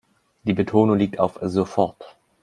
Die Betonung liegt auf sofort.